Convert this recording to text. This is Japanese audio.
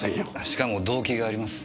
しかも動機があります。